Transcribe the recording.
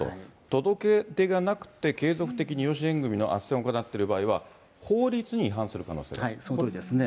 届け出がなくて、継続的に養子縁組のあっせんを行ってる場合は、法律に違反する可そのとおりですね。